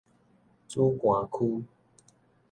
梓官區